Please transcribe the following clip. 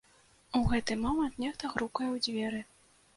У гэты момант нехта грукае ў дзверы.